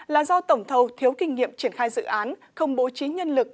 là do tổng thầu thiếu kinh nghiệm triển khai dự án không bố trí nhân lực